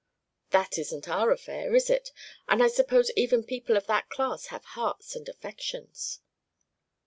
"That isn't our affair, is it? And I suppose even people of that class have hearts and affections."